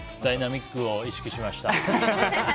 ダイナミックを意識しました。